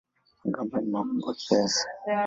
Magamba ni makubwa kiasi.